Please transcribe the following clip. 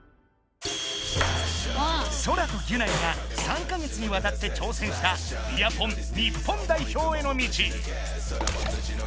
ソラとギュナイが３か月にわたって挑戦した「ビアポン日本代表への道」。